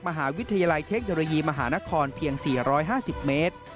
มหาวิทยาลัยเทคโนโลยีมหานครเพียง๔๕๐เมตร